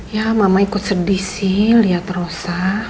ya mama ikut sedih sih lihat rosa